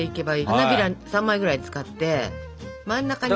花びら３枚ぐらい使って真ん中に。